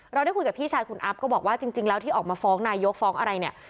ได้คุยกับพี่ชายคุณอัพก็บอกว่าจริงแล้วที่ออกมาฟ้องนายกฟ้องอะไรเนี่ย